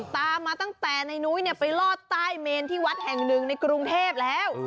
ตามมาตั้งแต่ในนุ้ยไปลอดใต้เมนที่วัดแห่งหนึ่งในกรุงเทพแล้ว